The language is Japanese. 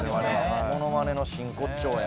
ものまねの真骨頂や。